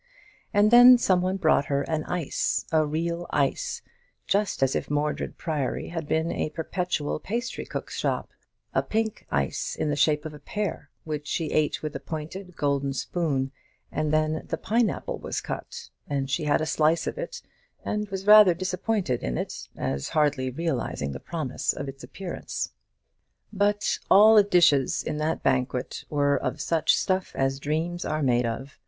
And then some one brought her an ice, a real ice, just as if Mordred Priory had been a perpetual pastrycook's shop, a pink ice in the shape of a pear, which she ate with a pointed gold spoon; and then the pine apple was cut, and she had a slice of it, and was rather disappointed in it, as hardly realizing the promise of its appearance. But all the dishes in that banquet were of "such stuff as dreams are made of."